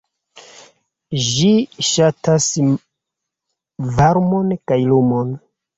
Ĝi ŝatas varmon kaj lumon.